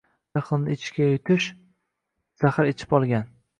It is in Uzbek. Jahlni ichga yutish zahar ichib olgan